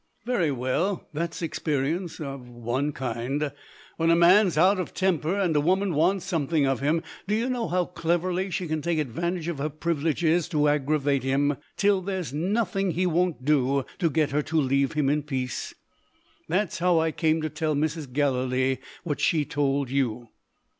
"Very well; that's experience of one kind. When a man's out of temper, and a woman wants something of him, do you know how cleverly she can take advantage of her privileges to aggravate him, till there's nothing he won't do to get her to leave him in peace? That's how I came to tell Mrs. Gallilee, what she told you."